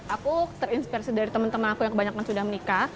aku terinspirasi dari teman teman aku yang kebanyakan sudah menikah